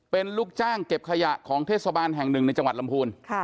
เป็นลูกจ้างเก็บขยะของเทศบาลแห่งหนึ่งในจังหวัดลำพูน